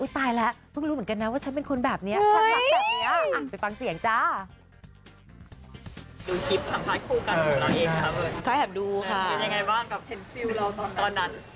เป็นอย่างไรบ้างกับเทนซิวเราตอนนั้น